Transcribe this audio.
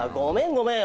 ごめん！